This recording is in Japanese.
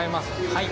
はい。